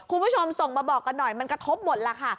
คุณผู้ชมส่งมาบอกกันหน่อยมันกระทบหมดล่ะค่ะ